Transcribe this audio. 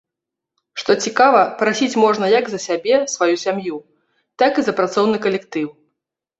Што цікава, прасіць можна як за сябе, сваю сям'ю, так і за працоўны калектыў.